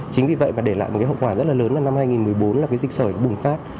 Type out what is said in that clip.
chính vì vậy và để lại một cái hậu quả rất là lớn là năm hai nghìn một mươi bốn là cái dịch sởi bùng phát